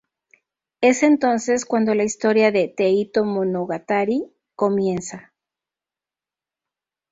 Es entonces cuando la historia de "Teito Monogatari" comienza.